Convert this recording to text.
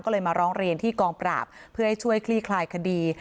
ก็เลยมาร้องเรียนที่กองปราบเพื่อให้ช่วยคลี่คลายคดี